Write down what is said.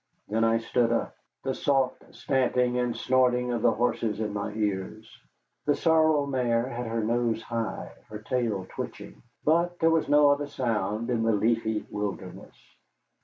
Then I sat up, the soft stamping and snorting of the horses in my ears. The sorrel mare had her nose high, her tail twitching, but there was no other sound in the leafy wilderness.